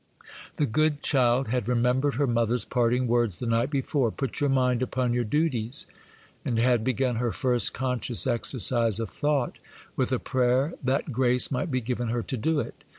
The good child had remembered her mother's parting words the night before,—'Put your mind upon your duties,'—and had begun her first conscious exercise of thought with a prayer that grace might be given her to do it.